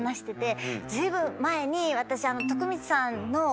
随分前に私。